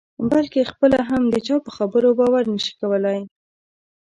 بلکې خپله هم د چا په خبرو باور نه شي کولای.